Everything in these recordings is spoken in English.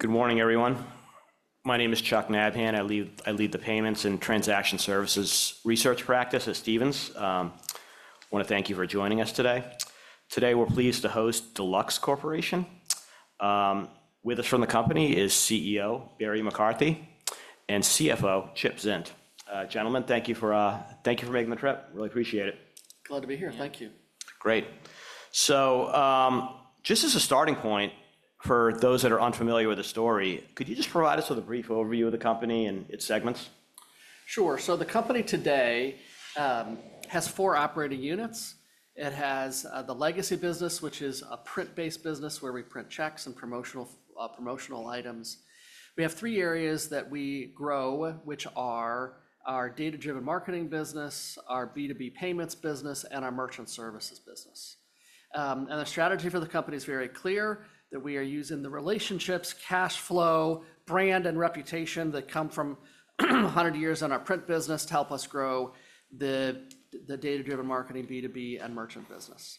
Good morning, everyone. My name is Charles Nabhan. I lead the Payments and Transaction Services Research Practice at Stephens. I want to thank you for joining us today. Today, we're pleased to host Deluxe Corporation. With us from the company is CEO Barry McCarthy and CFO Chip Zint. Gentlemen, thank you for making the trip. Really appreciate it. Glad to be here. Thank you. Great. So just as a starting point, for those that are unfamiliar with the story, could you just provide us with a brief overview of the company and its segments? Sure. So the company today has four operating units. It has the legacy business, which is a print-based business where we print checks and promotional items. We have three areas that we grow, which are our data-driven marketing business, our B2B payments business, and our merchant services business. And the strategy for the company is very clear that we are using the relationships, cash flow, brand, and reputation that come from 100 years in our print business to help us grow the data-driven marketing B2B and merchant business.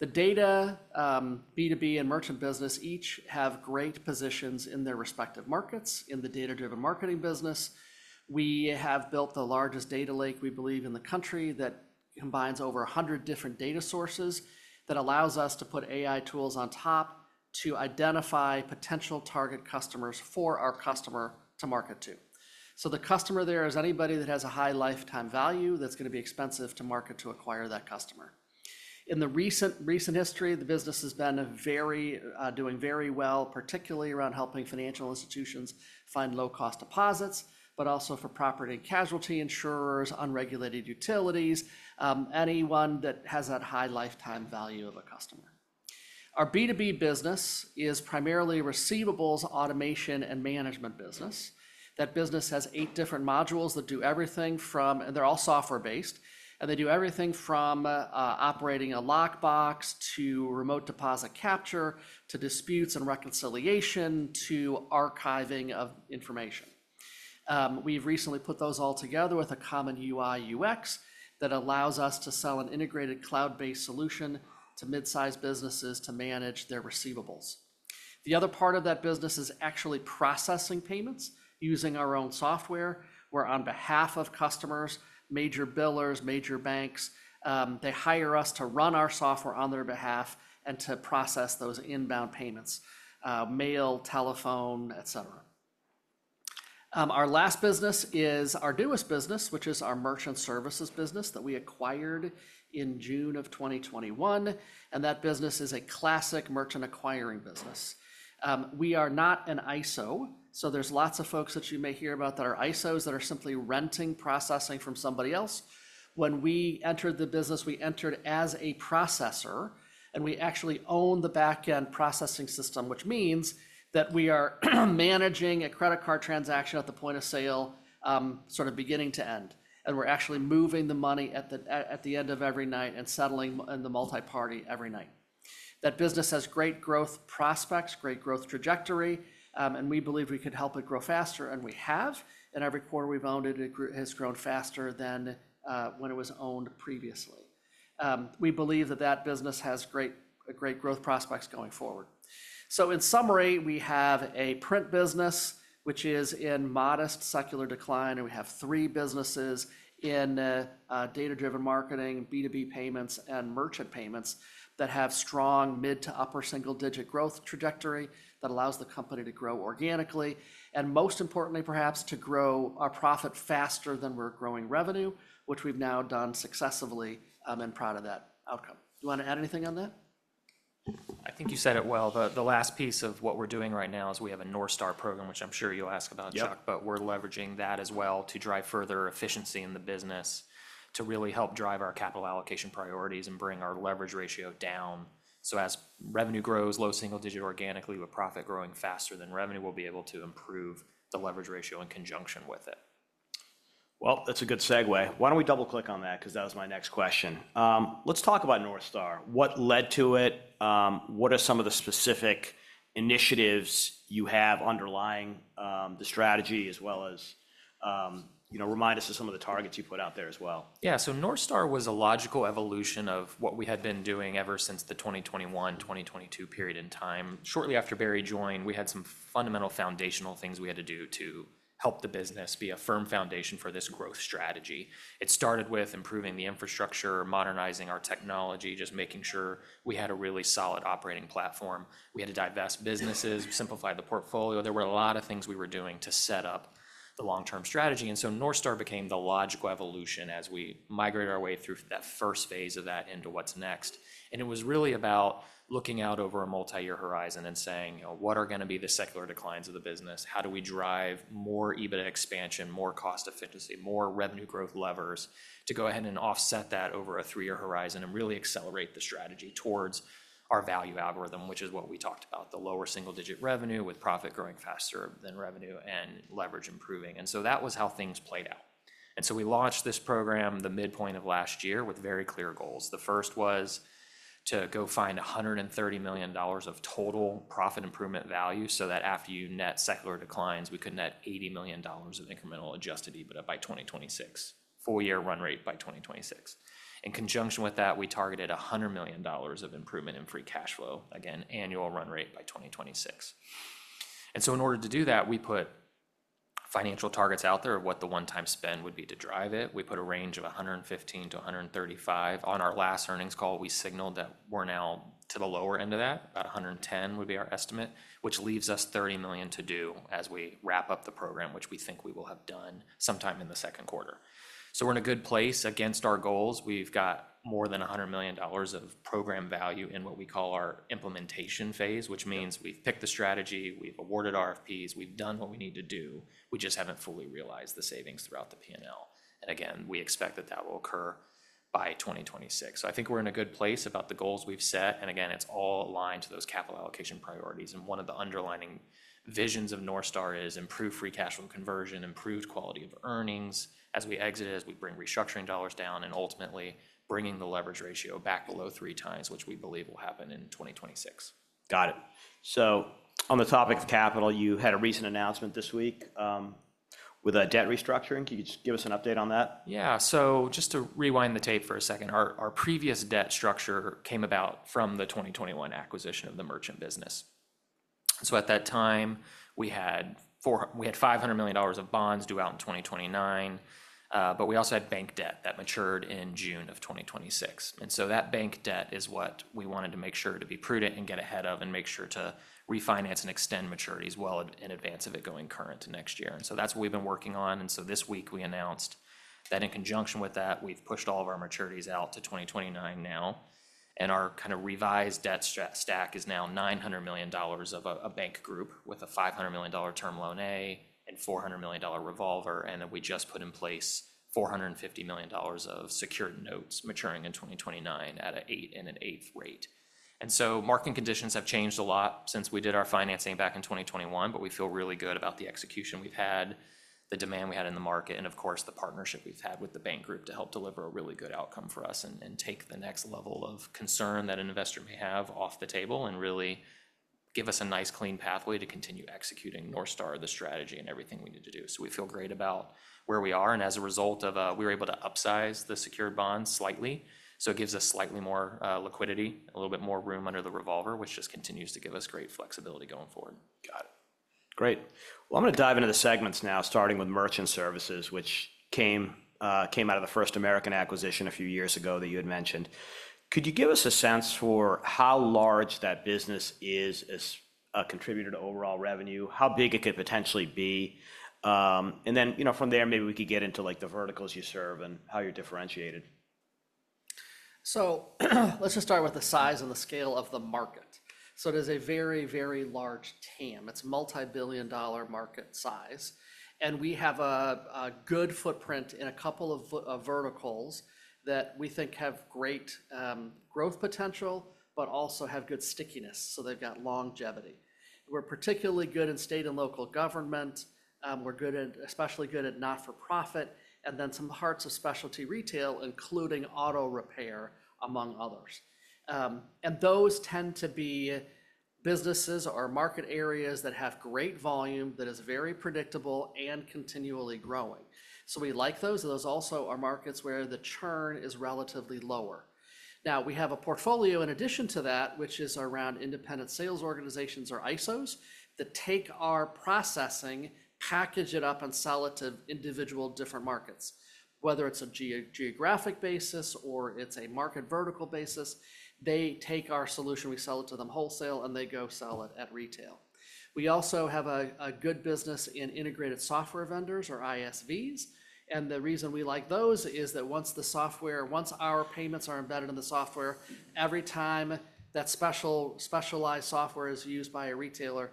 The data B2B and merchant business each have great positions in their respective markets. In the data-driven marketing business, we have built the largest data lake, we believe, in the country that combines over 100 different data sources that allows us to put AI tools on top to identify potential target customers for our customer to market to. So the customer there is anybody that has a high lifetime value that's going to be expensive to market to acquire that customer. In the recent history, the business has been doing very well, particularly around helping financial institutions find low-cost deposits, but also for property and casualty insurers, unregulated utilities, anyone that has that high lifetime value of a customer. Our B2B business is primarily receivables automation and management business. That business has eight different modules, and they're all software-based. They do everything from operating a lockbox to remote deposit capture to disputes and reconciliation to archiving of information. We've recently put those all together with a common UI/UX that allows us to sell an integrated cloud-based solution to mid-size businesses to manage their receivables. The other part of that business is actually processing payments using our own software, where on behalf of customers, major billers, major banks, they hire us to run our software on their behalf and to process those inbound payments: mail, telephone, etc. Our last business is our newest business, which is our merchant services business that we acquired in June of 2021. And that business is a classic merchant acquiring business. We are not an ISO, so there's lots of folks that you may hear about that are ISOs that are simply renting processing from somebody else. When we entered the business, we entered as a processor, and we actually own the back-end processing system, which means that we are managing a credit card transaction at the point of sale, sort of beginning to end. And we're actually moving the money at the end of every night and settling in the multiparty every night. That business has great growth prospects, great growth trajectory, and we believe we could help it grow faster, and we have. And every quarter we've owned it, it has grown faster than when it was owned previously. We believe that that business has great growth prospects going forward. So in summary, we have a print business, which is in modest secular decline, and we have three businesses in data-driven marketing, B2B payments, and merchant payments that have strong mid to upper single-digit growth trajectory that allows the company to grow organically, and most importantly, perhaps, to grow our profit faster than we're growing revenue, which we've now done successfully and proud of that outcome. Do you want to add anything on that? I think you said it well. The last piece of what we're doing right now is we have a North Star program, which I'm sure you'll ask about, Chuck, but we're leveraging that as well to drive further efficiency in the business, to really help drive our capital allocation priorities and bring our leverage ratio down. So as revenue grows low single-digit organically, with profit growing faster than revenue, we'll be able to improve the leverage ratio in conjunction with it. Well, that's a good segue. Why don't we double-click on that because that was my next question. Let's talk about North Star. What led to it? What are some of the specific initiatives you have underlying the strategy, as well as remind us of some of the targets you put out there as well? Yeah. North Star was a logical evolution of what we had been doing ever since the 2021, 2022 period in time. Shortly after Barry joined, we had some fundamental foundational things we had to do to help the business be a firm foundation for this growth strategy. It started with improving the infrastructure, modernizing our technology, just making sure we had a really solid operating platform. We had to divest businesses, simplify the portfolio. There were a lot of things we were doing to set up the long-term strategy. And so North Star became the logical evolution as we migrated our way through that first phase of that into what's next. And it was really about looking out over a multi-year horizon and saying, what are going to be the secular declines of the business? How do we drive more EBITDA expansion, more cost efficiency, more revenue growth levers to go ahead and offset that over a three-year horizon and really accelerate the strategy towards our value algorithm, which is what we talked about, the lower single-digit revenue with profit growing faster than revenue and leverage improving? And so that was how things played out. And so we launched this program the midpoint of last year with very clear goals. The first was to go find $130 million of total profit improvement value so that after you net secular declines, we could net $80 million of incremental Adjusted EBITDA by 2026, full-year run rate by 2026. In conjunction with that, we targeted $100 million of improvement in free cash flow, again, annual run rate by 2026. And so in order to do that, we put financial targets out there of what the one-time spend would be to drive it. We put a range of $115 million-$135 million. On our last earnings call, we signaled that we're now to the lower end of that, about $110 million would be our estimate, which leaves us $30 million to do as we wrap up the program, which we think we will have done sometime in the second quarter. So we're in a good place. Against our goals, we've got more than $100 million of program value in what we call our implementation phase, which means we've picked the strategy, we've awarded RFPs, we've done what we need to do. We just haven't fully realized the savings throughout the P&L. And again, we expect that that will occur by 2026. So I think we're in a good place about the goals we've set. And again, it's all aligned to those capital allocation priorities. And one of the underlying visions of North Star is improved free cash flow conversion, improved quality of earnings as we exit, as we bring restructuring dollars down, and ultimately bringing the leverage ratio back below three times, which we believe will happen in 2026. Got it. So on the topic of capital, you had a recent announcement this week with a debt restructuring. Can you just give us an update on that? Yeah. So just to rewind the tape for a second, our previous debt structure came about from the 2021 acquisition of the merchant business. So at that time, we had $500 million of bonds due out in 2029, but we also had bank debt that matured in June of 2026. That bank debt is what we wanted to make sure to be prudent and get ahead of and make sure to refinance and extend maturities well in advance of it going current next year. That's what we've been working on. This week, we announced that in conjunction with that, we've pushed all of our maturities out to 2029 now. Our kind of revised debt stack is now $900 million of a bank group with a $500 million Term Loan A and $400 million revolver. We just put in place $450 million of secured notes maturing in 2029 at 8% rate. And so market conditions have changed a lot since we did our financing back in 2021, but we feel really good about the execution we've had, the demand we had in the market, and of course, the partnership we've had with the bank group to help deliver a really good outcome for us and take the next level of concern that an investor may have off the table and really give us a nice clean pathway to continue executing North Star, the strategy, and everything we need to do. So we feel great about where we are. And as a result of we were able to upsize the secured bonds slightly. So it gives us slightly more liquidity, a little bit more room under the revolver, which just continues to give us great flexibility going forward. Got it. Great. I'm going to dive into the segments now, starting with merchant services, which came out of the First American acquisition a few years ago that you had mentioned. Could you give us a sense for how large that business is as a contributor to overall revenue, how big it could potentially be? And then from there, maybe we could get into the verticals you serve and how you're differentiated. Let's just start with the size and the scale of the market. It is a very, very large TAM. It's multi-billion-dollar market size. We have a good footprint in a couple of verticals that we think have great growth potential, but also have good stickiness. They've got longevity. We're particularly good in state and local government. We're especially good at not-for-profit and then some parts of specialty retail, including auto repair, among others. Those tend to be businesses or market areas that have great volume that is very predictable and continually growing. We like those. Those also are markets where the churn is relatively lower. Now, we have a portfolio in addition to that, which is around independent sales organizations or ISOs that take our processing, package it up, and sell it to individual different markets. Whether it's a geographic basis or it's a market vertical basis, they take our solution, we sell it to them wholesale, and they go sell it at retail. We also have a good business in independent software vendors or ISVs. And the reason we like those is that once the software, once our payments are embedded in the software, every time that specialized software is used by a retailer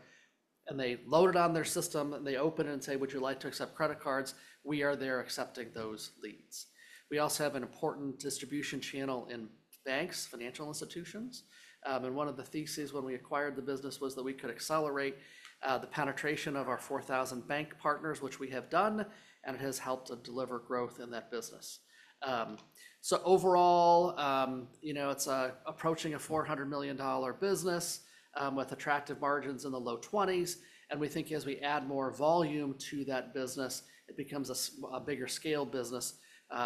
and they load it on their system and they open it and say, "Would you like to accept credit cards?" We are there accepting those leads. We also have an important distribution channel in banks, financial institutions. And one of the theses when we acquired the business was that we could accelerate the penetration of our 4,000 bank partners, which we have done, and it has helped to deliver growth in that business. Overall, it's approaching a $400 million business with attractive margins in the low 20s%. We think as we add more volume to that business, it becomes a bigger scale business,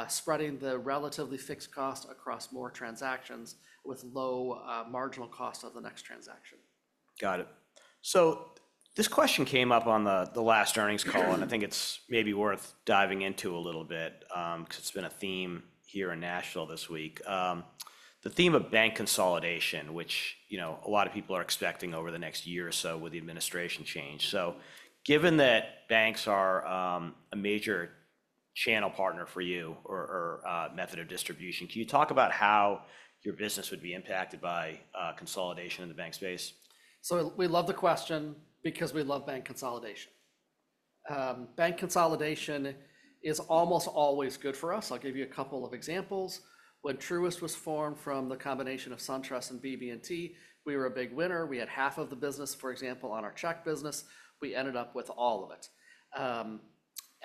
spreading the relatively fixed cost across more transactions with low marginal cost of the next transaction. Got it. So this question came up on the last earnings call, and I think it's maybe worth diving into a little bit because it's been a theme here in Nashville this week. The theme of bank consolidation, which a lot of people are expecting over the next year or so with the administration change. So given that banks are a major channel partner for you or method of distribution, can you talk about how your business would be impacted by consolidation in the bank space? So we love the question because we love bank consolidation. Bank consolidation is almost always good for us. I'll give you a couple of examples. When Truist was formed from the combination of SunTrust and BB&T, we were a big winner. We had half of the business, for example, on our check business. We ended up with all of it.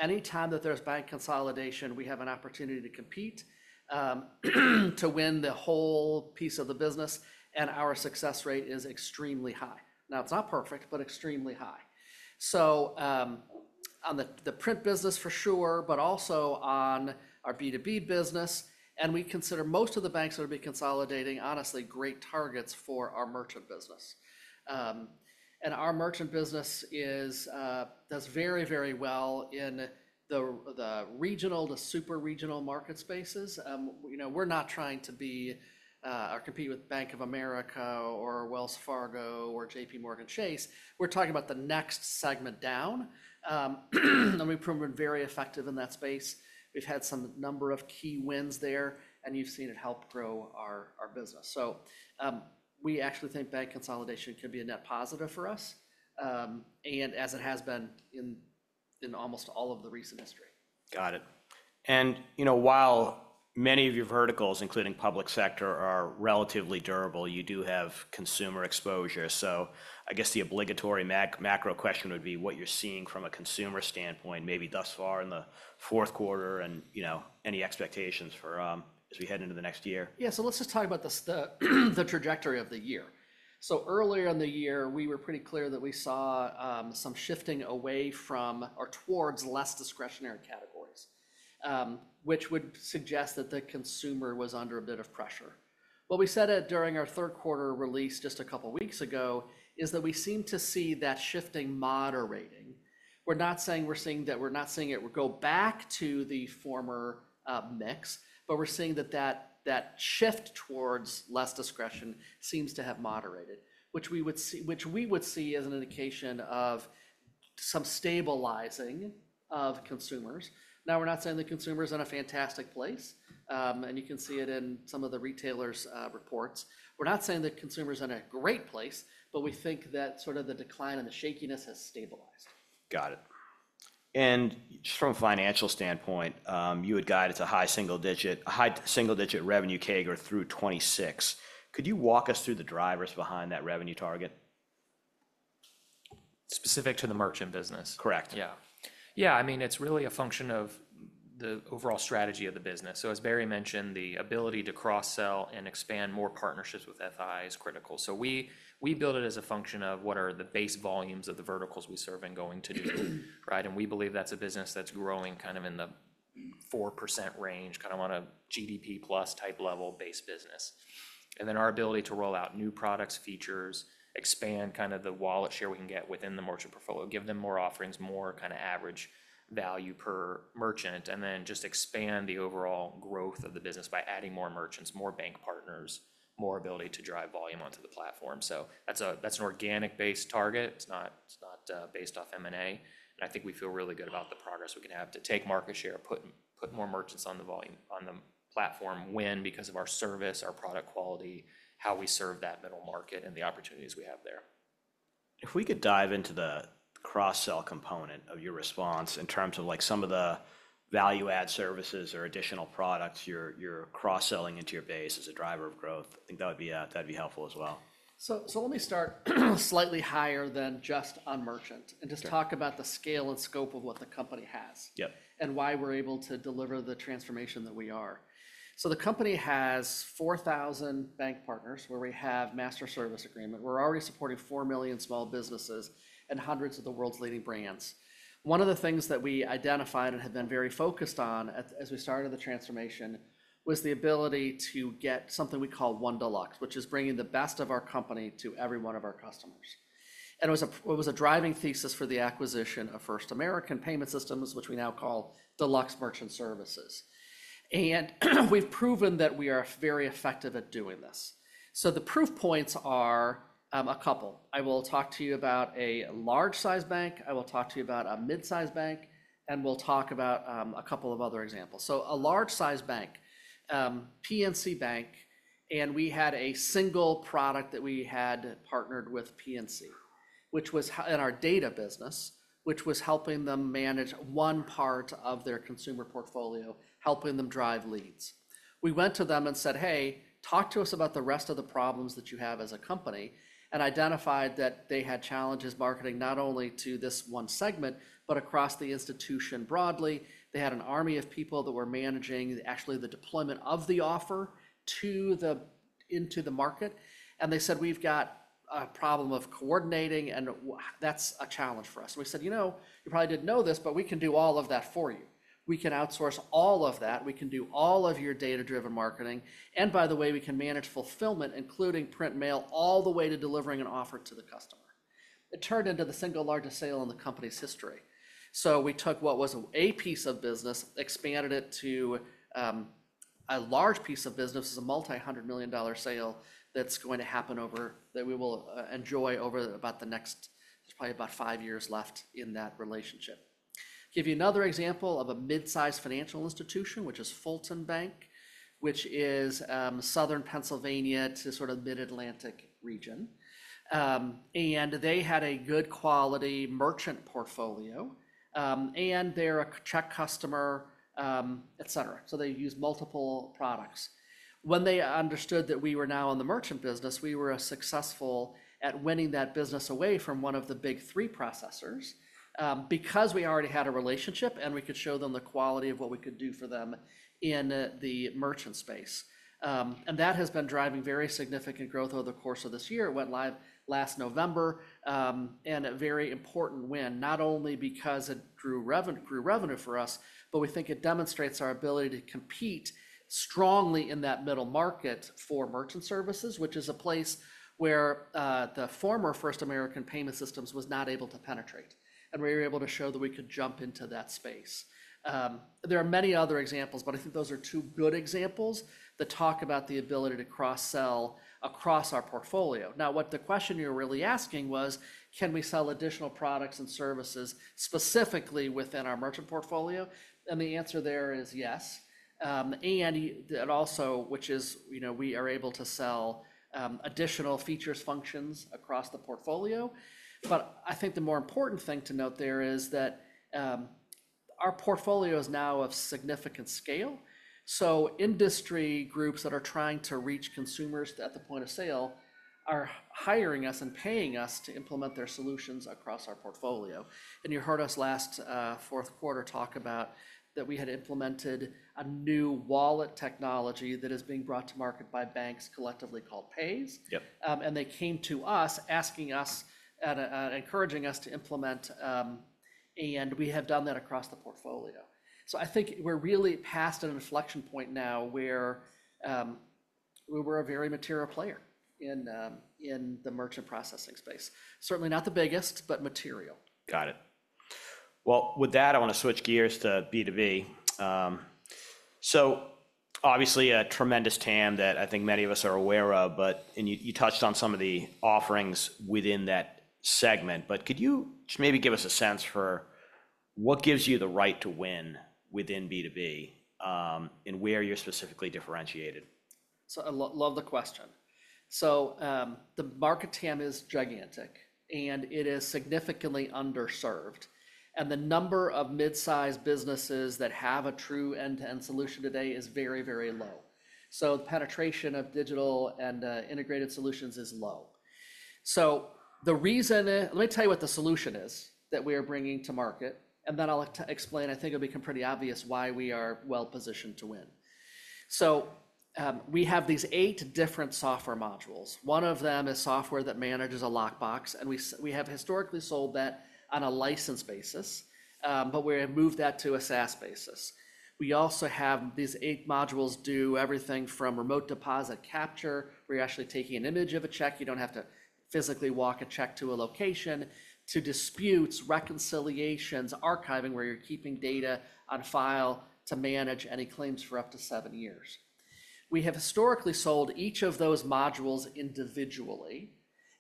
Anytime that there's bank consolidation, we have an opportunity to compete, to win the whole piece of the business, and our success rate is extremely high. Now, it's not perfect, but extremely high. So on the print business, for sure, but also on our B2B business. And we consider most of the banks that are being consolidating, honestly, great targets for our merchant business. And our merchant business does very, very well in the regional, the super regional market spaces. We're not trying to be or compete with Bank of America or Wells Fargo or J.P. Morgan Chase. We're talking about the next segment down. And we've proven very effective in that space. We've had some number of key wins there, and you've seen it help grow our business. So we actually think bank consolidation could be a net positive for us, and as it has been in almost all of the recent history. Got it. And while many of your verticals, including public sector, are relatively durable, you do have consumer exposure. So I guess the obligatory macro question would be what you're seeing from a consumer standpoint, maybe thus far in the fourth quarter and any expectations for as we head into the next year? Yeah. So let's just talk about the trajectory of the year. So earlier in the year, we were pretty clear that we saw some shifting away from or towards less discretionary categories, which would suggest that the consumer was under a bit of pressure. What we said during our third quarter release just a couple of weeks ago is that we seem to see that shifting moderating. We're not saying we're seeing that we're not seeing it go back to the former mix, but we're seeing that that shift towards less discretion seems to have moderated, which we would see as an indication of some stabilizing of consumers. Now, we're not saying the consumer's in a fantastic place, and you can see it in some of the retailers' reports. We're not saying the consumer's in a great place, but we think that sort of the decline and the shakiness has stabilized. Got it and just from a financial standpoint, you had guided to a high single-digit revenue CAGR through 2026. Could you walk us through the drivers behind that revenue target? Specific to the merchant business? Correct. Yeah. Yeah. I mean, it's really a function of the overall strategy of the business. So as Barry mentioned, the ability to cross-sell and expand more partnerships with FI is critical. So we build it as a function of what are the base volumes of the verticals we serve and going to do, right? And we believe that's a business that's growing kind of in the 4% range, kind of on a GDP plus type level base business. And then our ability to roll out new products, features, expand kind of the wallet share we can get within the merchant portfolio, give them more offerings, more kind of average value per merchant, and then just expand the overall growth of the business by adding more merchants, more bank partners, more ability to drive volume onto the platform. So that's an organic-based target. It's not based off M&A. I think we feel really good about the progress we can have to take market share, put more merchants on the platform, win because of our service, our product quality, how we serve that middle market, and the opportunities we have there. If we could dive into the cross-sell component of your response in terms of some of the value-add services or additional products you're cross-selling into your base as a driver of growth, I think that would be helpful as well. So let me start slightly higher than just on merchant and just talk about the scale and scope of what the company has and why we're able to deliver the transformation that we are. The company has 4,000 bank partners where we have master service agreement. We're already supporting 4 million small businesses and hundreds of the world's leading brands. One of the things that we identified and have been very focused on as we started the transformation was the ability to get something we call One Deluxe, which is bringing the best of our company to every one of our customers. It was a driving thesis for the acquisition of First American Payment Systems, which we now call Deluxe Merchant Services. We've proven that we are very effective at doing this. The proof points are a couple. I will talk to you about a large-sized bank. I will talk to you about a mid-sized bank, and we'll talk about a couple of other examples. So a large-sized bank, PNC Bank, and we had a single product that we had partnered with PNC, which was in our data business, which was helping them manage one part of their consumer portfolio, helping them drive leads. We went to them and said, "Hey, talk to us about the rest of the problems that you have as a company," and identified that they had challenges marketing not only to this one segment, but across the institution broadly. They had an army of people that were managing actually the deployment of the offer into the market. They said, "We've got a problem of coordinating, and that's a challenge for us." We said, "You know, you probably didn't know this, but we can do all of that for you. We can outsource all of that. We can do all of your data-driven marketing. And by the way, we can manage fulfillment, including print, mail, all the way to delivering an offer to the customer." It turned into the single largest sale in the company's history. We took what was a piece of business, expanded it to a large piece of business, a multi-hundred-million-dollar sale that's going to happen over that we will enjoy over about the next. There's probably about five years left in that relationship. Give you another example of a mid-sized financial institution, which is Fulton Bank, which is southern Pennsylvania to sort of Mid-Atlantic region. They had a good quality merchant portfolio, and they're a check customer, etc. So they use multiple products. When they understood that we were now in the merchant business, we were successful at winning that business away from one of the big three processors because we already had a relationship and we could show them the quality of what we could do for them in the merchant space. That has been driving very significant growth over the course of this year. It went live last November, and it was a very important win, not only because it grew revenue for us, but we think it demonstrates our ability to compete strongly in that middle market for merchant services, which is a place where the former First American Payment Systems was not able to penetrate. We were able to show that we could jump into that space. There are many other examples, but I think those are two good examples that talk about the ability to cross-sell across our portfolio. Now, what the question you're really asking was, can we sell additional products and services specifically within our merchant portfolio? And the answer there is yes. And also, which is we are able to sell additional features, functions across the portfolio. But I think the more important thing to note there is that our portfolio is now of significant scale. So industry groups that are trying to reach consumers at the point of sale are hiring us and paying us to implement their solutions across our portfolio. And you heard us last fourth quarter talk about that we had implemented a new wallet technology that is being brought to market by banks collectively called Paze. And they came to us asking us and encouraging us to implement. We have done that across the portfolio. I think we're really past an inflection point now where we were a very material player in the merchant processing space. Certainly not the biggest, but material. Got it. Well, with that, I want to switch gears to B2B. So obviously a tremendous TAM that I think many of us are aware of, but you touched on some of the offerings within that segment. But could you maybe give us a sense for what gives you the right to win within B2B and where you're specifically differentiated? So I love the question. The market TAM is gigantic, and it is significantly underserved. The number of mid-sized businesses that have a true end-to-end solution today is very, very low. The penetration of digital and integrated solutions is low. The reason, let me tell you what the solution is that we are bringing to market, and then I'll explain. I think it'll become pretty obvious why we are well-positioned to win. We have these eight different software modules. One of them is software that manages a lockbox, and we have historically sold that on a license basis, but we have moved that to a SaaS basis. We also have these eight modules do everything from remote deposit capture, where you're actually taking an image of a check. You don't have to physically walk a check to a location, to disputes, reconciliations, archiving, where you're keeping data on file to manage any claims for up to seven years. We have historically sold each of those modules individually,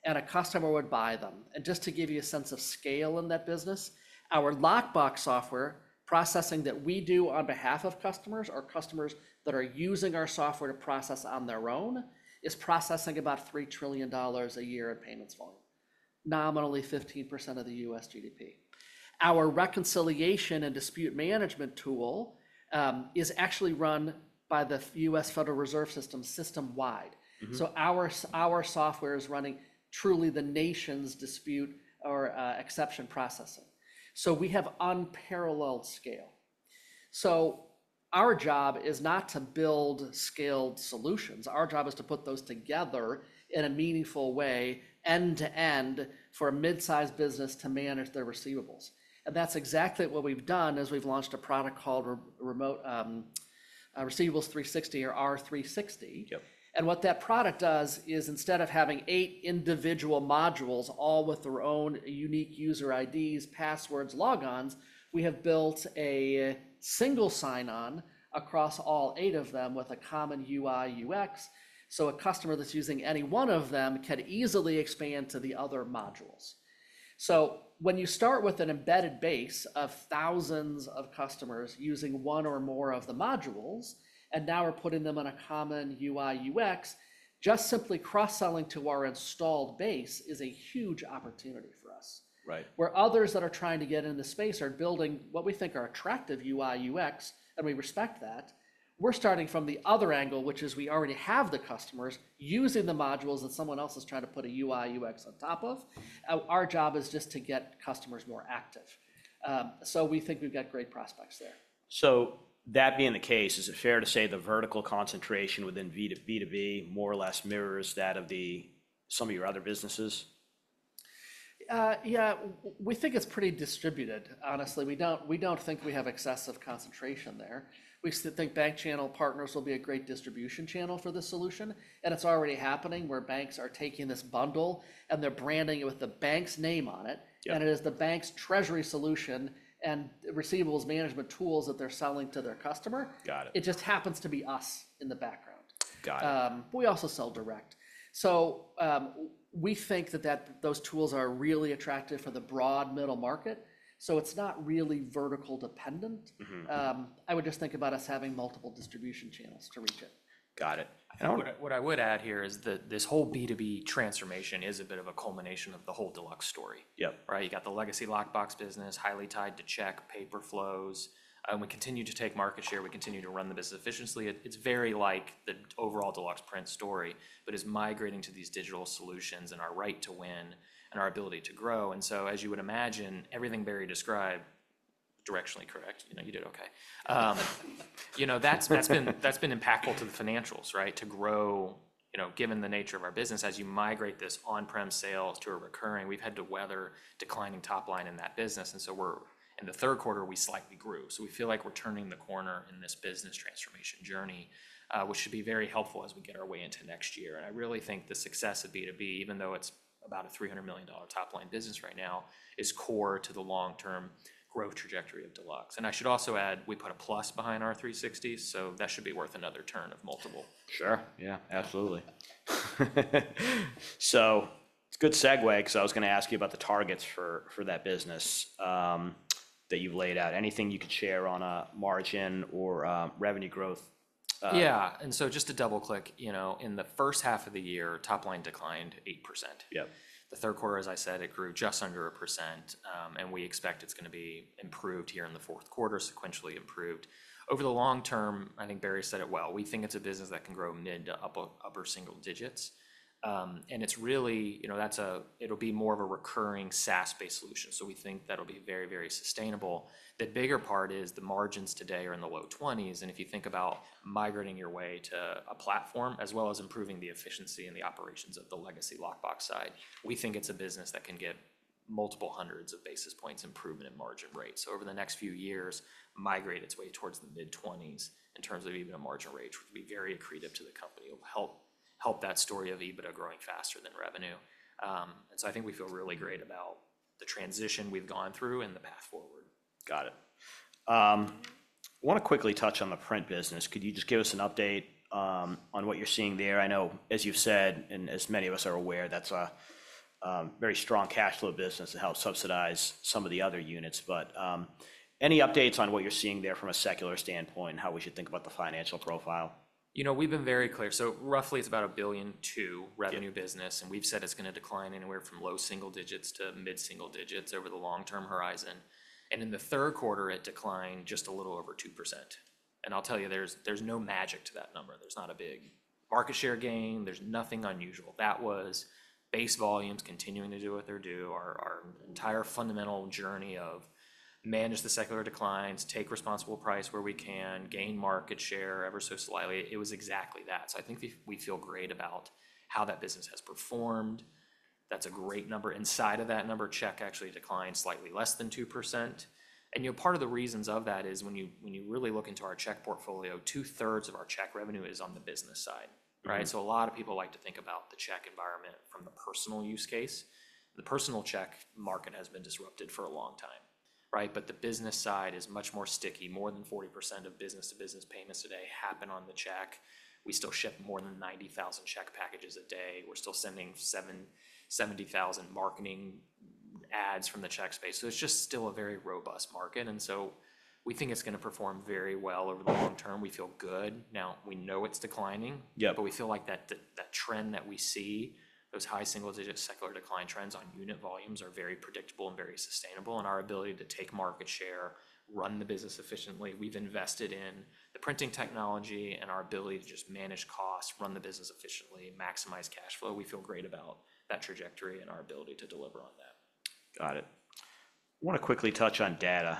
and a customer would buy them. And just to give you a sense of scale in that business, our lockbox software processing that we do on behalf of customers or customers that are using our software to process on their own is processing about $3 trillion a year in payments volume, nominally 15% of the U.S. GDP. Our reconciliation and dispute management tool is actually run by the U.S. Federal Reserve System system-wide. So our software is running truly the nation's dispute or exception processing. So our job is not to build scaled solutions. Our job is to put those together in a meaningful way, end-to-end, for a mid-sized business to manage their receivables, and that's exactly what we've done as we've launched a product called Remote Receivables 360 or R360, and what that product does is instead of having eight individual modules all with their own unique user IDs, passwords, logons, we have built a single sign-on across all eight of them with a common UI/UX, so a customer that's using any one of them can easily expand to the other modules, so when you start with an embedded base of thousands of customers using one or more of the modules, and now we're putting them on a common UI/UX, just simply cross-selling to our installed base is a huge opportunity for us. Where others that are trying to get in the space are building what we think are attractive UI/UX, and we respect that, we're starting from the other angle, which is we already have the customers using the modules that someone else is trying to put a UI/UX on top of. Our job is just to get customers more active. So we think we've got great prospects there. So that being the case, is it fair to say the vertical concentration within B2B more or less mirrors that of some of your other businesses? Yeah. We think it's pretty distributed, honestly. We don't think we have excessive concentration there. We think Bank Channel Partners will be a great distribution channel for the solution. And it's already happening where banks are taking this bundle and they're branding it with the bank's name on it. And it is the bank's treasury solution and receivables management tools that they're selling to their customer. It just happens to be us in the background. We also sell direct. So we think that those tools are really attractive for the broad middle market. So it's not really vertical dependent. I would just think about us having multiple distribution channels to reach it. Got it. What I would add here is that this whole B2B transformation is a bit of a culmination of the whole Deluxe story, right? You got the legacy lockbox business, highly tied to check paper flows, and we continue to take market share. We continue to run the business efficiently. It's very like the overall Deluxe Print story, but it's migrating to these digital solutions and our right to win and our ability to grow, and so as you would imagine, everything Barry described directionally correct. You did okay. That's been impactful to the financials, right? To grow, given the nature of our business, as you migrate this on-prem sales to a recurring, we've had to weather declining top line in that business, and so in the third quarter, we slightly grew. So we feel like we're turning the corner in this business transformation journey, which should be very helpful as we get our way into next year. And I really think the success of B2B, even though it's about a $300 million top line business right now, is core to the long-term growth trajectory of Deluxe. And I should also add, we put a plus behind R360. So that should be worth another turn of multiple. Sure. Yeah, absolutely. So it's a good segue because I was going to ask you about the targets for that business that you've laid out. Anything you could share on a margin or revenue growth? Yeah. And so just to double-click, in the first half of the year, top line declined 8%. The third quarter, as I said, it grew just under 1%. And we expect it's going to be improved here in the fourth quarter, sequentially improved. Over the long term, I think Barry said it well, we think it's a business that can grow mid to upper single digits. And it's really, it'll be more of a recurring SaaS-based solution. So we think that'll be very, very sustainable. The bigger part is the margins today are in the low 20s. And if you think about migrating your way to a platform as well as improving the efficiency and the operations of the legacy lockbox side, we think it's a business that can get multiple hundreds of basis points improvement in margin rates. So over the next few years, migrate its way towards the mid-20s in terms of even a margin rate, which would be very accretive to the company. It will help that story of EBITDA growing faster than revenue. And so I think we feel really great about the transition we've gone through and the path forward. Got it. I want to quickly touch on the print business. Could you just give us an update on what you're seeing there? I know, as you've said, and as many of us are aware, that's a very strong cash flow business that helps subsidize some of the other units. But any updates on what you're seeing there from a secular standpoint, how we should think about the financial profile? You know, we've been very clear. So roughly, it's about a $1 billion revenue business. And we've said it's going to decline anywhere from low single digits to mid-single digits over the long-term horizon. And in the third quarter, it declined just a little over 2%. And I'll tell you, there's no magic to that number. There's not a big market share gain. There's nothing unusual. That was base volumes continuing to do what they do, our entire fundamental journey to manage the secular declines, take responsible pricing where we can, gain market share ever so slightly. It was exactly that. So I think we feel great about how that business has performed. That's a great number. Inside of that number, checks actually declined slightly less than 2%. And part of the reasons of that is when you really look into our check portfolio, two-thirds of our check revenue is on the business side, right? So a lot of people like to think about the check environment from the personal use case. The personal check market has been disrupted for a long time, right? But the business side is much more sticky. More than 40% of business-to-business payments today happen on the check. We still ship more than 90,000 check packages a day. We're still sending 70,000 marketing ads from the check space. So it's just still a very robust market. And so we think it's going to perform very well over the long term. We feel good. Now, we know it's declining, but we feel like that trend that we see, those high single-digit secular decline trends on unit volumes are very predictable and very sustainable. Our ability to take market share, run the business efficiently. We've invested in the printing technology and our ability to just manage costs, run the business efficiently, maximize cash flow. We feel great about that trajectory and our ability to deliver on that. Got it. I want to quickly touch on data.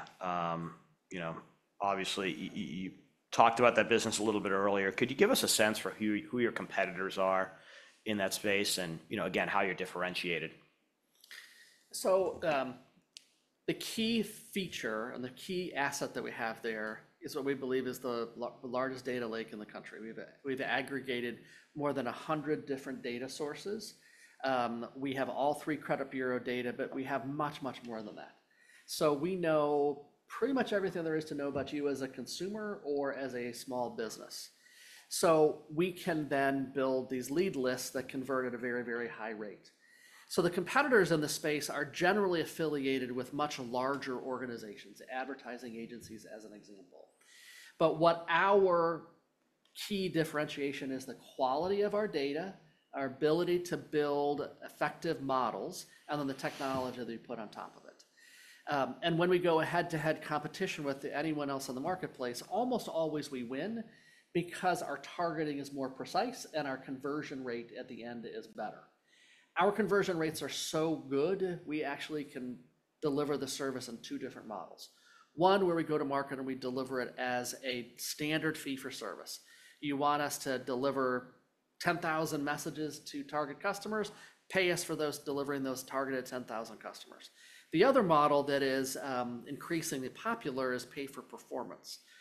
Obviously, you talked about that business a little bit earlier. Could you give us a sense for who your competitors are in that space and, again, how you're differentiated? The key feature and the key asset that we have there is what we believe is the largest data lake in the country. We've aggregated more than 100 different data sources. We have all three credit bureau data, but we have much, much more than that. We know pretty much everything there is to know about you as a consumer or as a small business. We can then build these lead lists that convert at a very, very high rate. The competitors in the space are generally affiliated with much larger organizations, advertising agencies as an example. But what our key differentiation is the quality of our data, our ability to build effective models, and then the technology that we put on top of it. And when we go head-to-head competition with anyone else in the marketplace, almost always we win because our targeting is more precise and our conversion rate at the end is better. Our conversion rates are so good, we actually can deliver the service in two different models. One where we go to market and we deliver it as a standard fee-for-service. You want us to deliver 10,000 messages to target customers, pay us for those delivering those targeted 10,000 customers. The other model that is increasingly popular is pay-for-performance, where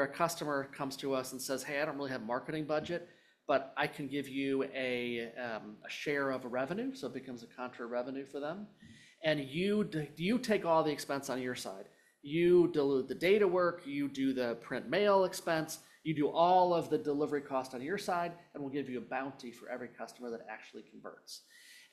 a customer comes to us and says, "Hey, I don't really have a marketing budget, but I can give you a share of revenue." So it becomes a contra revenue for them. And you take all the expense on your side. You do the data work, you do the print mail expense, you do all of the delivery costs on your side, and we'll give you a bounty for every customer that actually converts.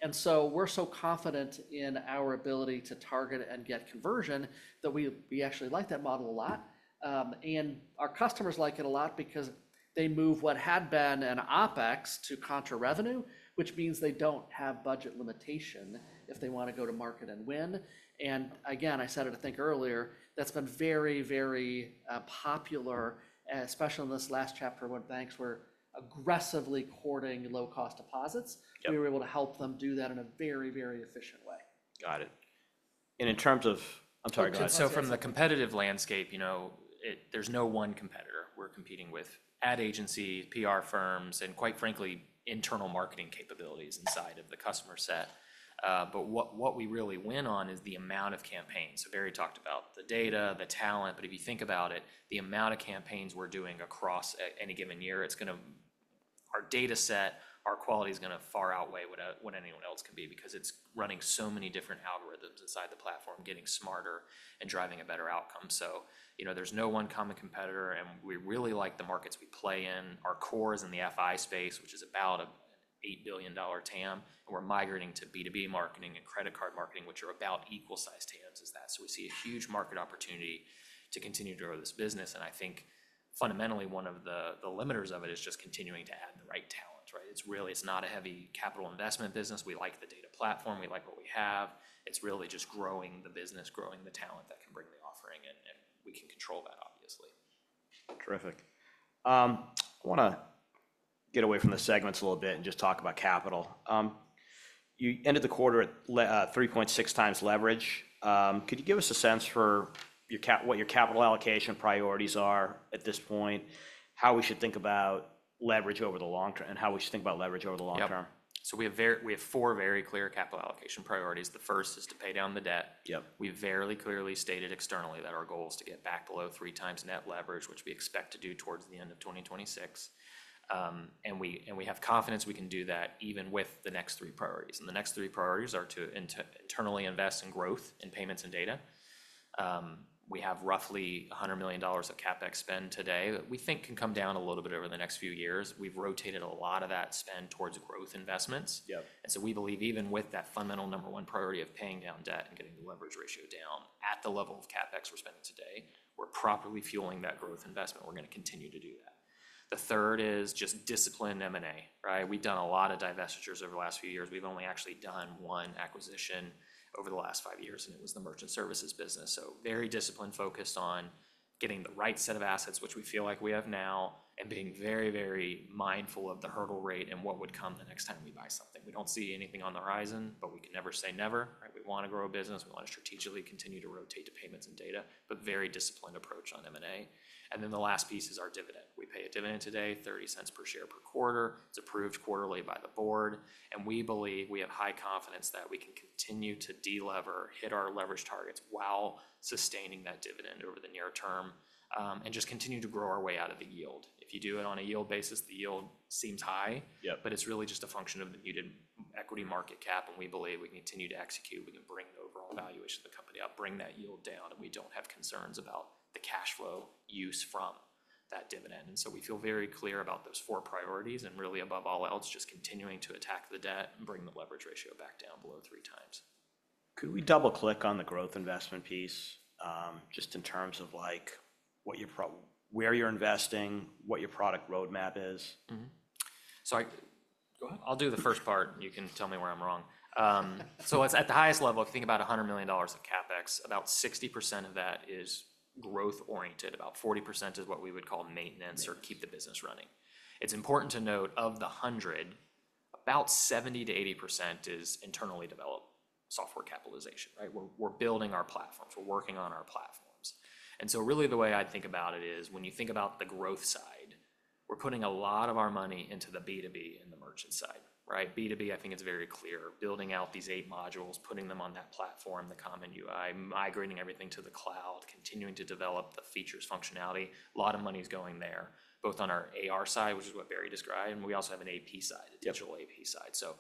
And so we're so confident in our ability to target and get conversion that we actually like that model a lot. And our customers like it a lot because they move what had been an OpEx to contra revenue, which means they don't have budget limitation if they want to go to market and win. And again, I said it, I think earlier, that's been very, very popular, especially in this last chapter when banks were aggressively courting low-cost deposits. We were able to help them do that in a very, very efficient way. Got it. And in terms of. So from the competitive landscape, there's no one competitor we're competing with: ad agency, PR firms, and quite frankly, internal marketing capabilities inside of the customer set. But what we really win on is the amount of campaigns. So Barry talked about the data, the talent, but if you think about it, the amount of campaigns we're doing across any given year, our data set, our quality is going to far outweigh what anyone else can be because it's running so many different algorithms inside the platform, getting smarter and driving a better outcome. So there's no one common competitor. And we really like the markets we play in. Our core is in the FI space, which is about an $8 billion TAM. And we're migrating to B2B marketing and credit card marketing, which are about equal-sized TAMs as that. So we see a huge market opportunity to continue to grow this business. And I think fundamentally, one of the limiters of it is just continuing to add the right talent, right? It's really, it's not a heavy capital investment business. We like the data platform. We like what we have. It's really just growing the business, growing the talent that can bring the offering. And we can control that, obviously. Terrific. I want to get away from the segments a little bit and just talk about capital. You ended the quarter at 3.6 times leverage. Could you give us a sense for what your capital allocation priorities are at this point, how we should think about leverage over the long term? Yeah. So we have four very clear capital allocation priorities. The first is to pay down the debt. We've very clearly stated externally that our goal is to get back below three times net leverage, which we expect to do towards the end of 2026. And we have confidence we can do that even with the next three priorities. And the next three priorities are to internally invest in growth in payments and data. We have roughly $100 million of CapEx spend today that we think can come down a little bit over the next few years. We've rotated a lot of that spend towards growth investments. And so we believe even with that fundamental number one priority of paying down debt and getting the leverage ratio down at the level of CapEx we're spending today, we're properly fueling that growth investment. We're going to continue to do that. The third is just disciplined M&A, right? We've done a lot of divestitures over the last few years. We've only actually done one acquisition over the last five years, and it was the merchant services business. So very disciplined, focused on getting the right set of assets, which we feel like we have now, and being very, very mindful of the hurdle rate and what would come the next time we buy something. We don't see anything on the horizon, but we can never say never, right? We want to grow a business. We want to strategically continue to rotate to payments and data, but very disciplined approach on M&A. And then the last piece is our dividend. We pay a dividend today, $0.30 per share per quarter. It's approved quarterly by the board. We believe we have high confidence that we can continue to delever, hit our leverage targets while sustaining that dividend over the near term and just continue to grow our way out of the yield. If you do it on a yield basis, the yield seems high, but it's really just a function of the muted equity market cap. We believe we can continue to execute. We can bring the overall valuation of the company up, bring that yield down, and we don't have concerns about the cash flow use from that dividend. We feel very clear about those four priorities and really, above all else, just continuing to attack the debt and bring the leverage ratio back down below three times. Could we double-click on the growth investment piece just in terms of where you're investing, what your product roadmap is? Sorry. Go ahead. I'll do the first part. You can tell me where I'm wrong, so at the highest level, if you think about $100 million of CapEx, about 60% of that is growth-oriented. About 40% is what we would call maintenance or keep the business running. It's important to note of the 100, about 70%-80% is internally developed software capitalization, right? We're building our platforms. We're working on our platforms. And so really, the way I think about it is when you think about the growth side, we're putting a lot of our money into the B2B and the merchant side, right? B2B, I think it's very clear, building out these eight modules, putting them on that platform, the common UI, migrating everything to the cloud, continuing to develop the features, functionality. A lot of money is going there, both on our AR side, which is what Barry described, and we also have an AP side, a digital AP side, so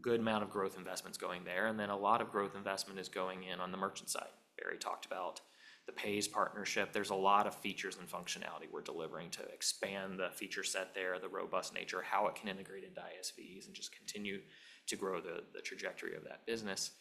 good amount of growth investments going there, and then a lot of growth investment is going in on the merchant side. Barry talked about the Paze partnership. There's a lot of features and functionality we're delivering to expand the feature set there, the robust nature, how it can integrate into ISVs and just continue to grow the trajectory of that business,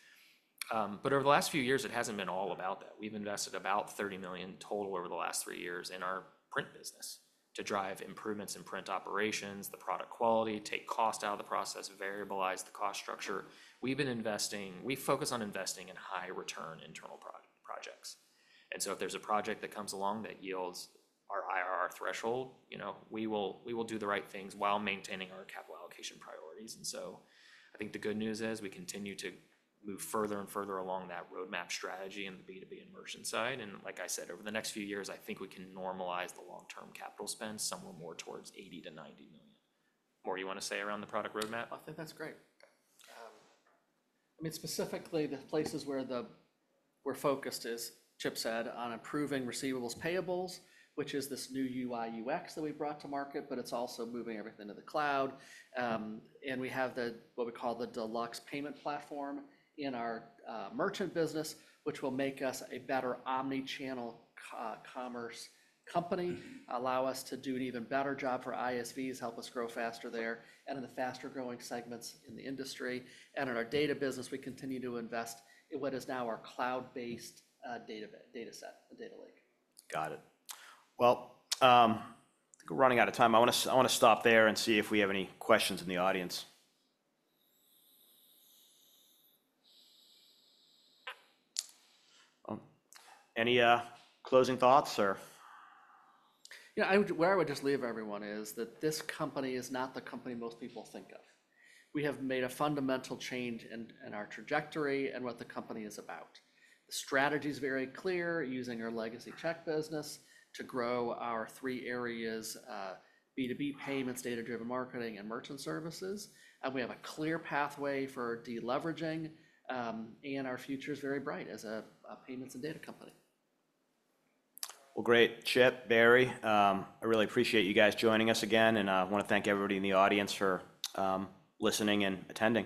but over the last few years, it hasn't been all about that. We've invested about $30 million total over the last three years in our print business to drive improvements in print operations, the product quality, take cost out of the process, variabilize the cost structure. We've been investing. We focus on investing in high-return internal projects. And so if there's a project that comes along that yields our IRR threshold, we will do the right things while maintaining our capital allocation priorities. And so I think the good news is we continue to move further and further along that roadmap strategy in the B2B and merchant side. And like I said, over the next few years, I think we can normalize the long-term capital spend somewhere more towards $80 million-$90 million. More, you want to say around the product roadmap? I think that's great. I mean, specifically, the places where we're focused, as Chip said, on improving receivables payables, which is this new UI/UX that we brought to market, but it's also moving everything to the cloud. And we have what we call the Deluxe Payment Platform in our merchant business, which will make us a better omnichannel commerce company, allow us to do an even better job for ISVs, help us grow faster there, and in the faster-growing segments in the industry. And in our data business, we continue to invest in what is now our cloud-based data set, the data lake. Got it. Well, running out of time, I want to stop there and see if we have any questions in the audience. Any closing thoughts, or? Yeah, where I would just leave everyone is that this company is not the company most people think of. We have made a fundamental change in our trajectory and what the company is about. The strategy is very clear, using our legacy check business to grow our three areas: B2B payments, data-driven marketing, and merchant services. And we have a clear pathway for deleveraging. And our future is very bright as a payments and data company. Great. Chip, Barry, I really appreciate you guys joining us again, and I want to thank everybody in the audience for listening and attending.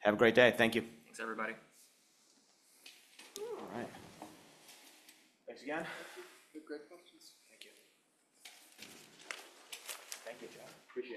Have a great day. Thank you. Thanks, everybody. All right. Thanks again. Great questions. Thank you. Thank you, Chip. Appreciate it.